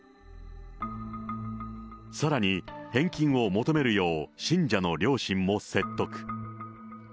さらに、返金を求めるよう信者の両親も説得。